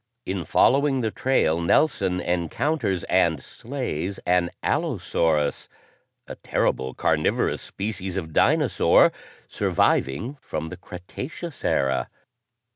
In following the trail, Nelson encounters and slays an allosaurus, a terrible, carnivorous species of dinosaur surviving from the Cretaceous era.